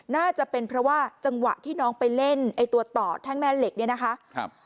น่าจะเป็นเพราะว่าจังหวะที่น้องไปเล่นไอ้ตัวต่อแท่งแม่เหล็กเนี่ยนะคะครับ